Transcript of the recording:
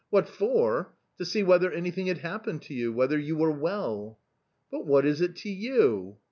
" What for ? To see whether anything had happened to you, whether you were well ?"" But what is it to you